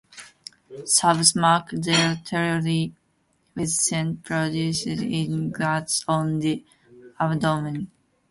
Sables mark their territory with scent produced in glands on the abdomen.